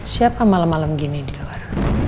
siapa malam malam gini di luar